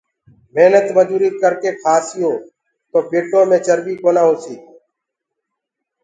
مهنت مجوري ڪرڪي کآئو تو پيٽو مي چرٻي نآ هوئي